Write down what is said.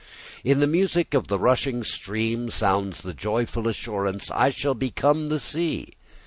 In the music of the rushing stream sounds the joyful assurance, "I shall become the sea."